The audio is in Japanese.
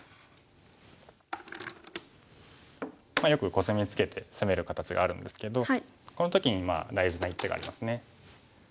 よくコスミツケて攻める形があるんですけどこの時に大事な一手がありますね。